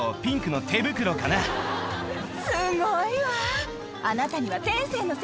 すごいわ！